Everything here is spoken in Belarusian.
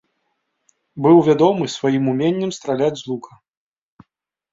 Быў вядомы сваім уменнем страляць з лука.